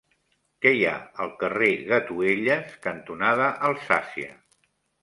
Què hi ha al carrer Gatuelles cantonada Alsàcia?